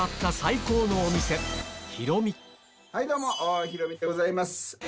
はいどうもヒロミでございます。